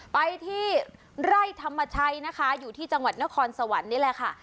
ไปที่ไร่ธรรมชัยนะคะอยู่ที่จังหวัดนครสวรรค์นี่แหละค่ะ